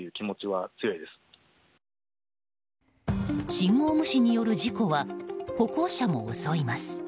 信号無視による事故は歩行者も襲います。